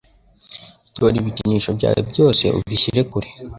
Tora ibikinisho byawe byose ubishyire kure.